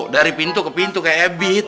dari pintu ke pintu kayak ebit